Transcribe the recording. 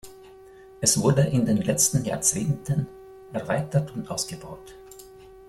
Es wurde in den letzten Jahrzehnten erweitert und ausgebaut.